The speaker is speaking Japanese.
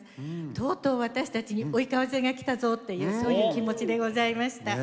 とうとう私たちに追い風が来たぞっていうそういう気持ちでございました。